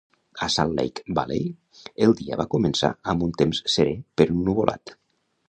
A Salt Lake Valley, el dia va començar amb un temps serè però ennuvolat.